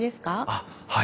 あっはい。